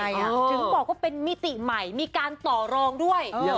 ถึงบอกว่าเป็นมิติใหม่มีการต่อรองด้วย